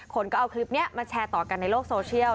คนก็เอาคลิปนี้มาแชร์ต่อกันในโลกโซเชียล